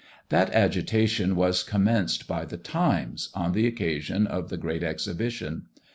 That agitation was commenced by "The Times," on the occasion of the great exhibition.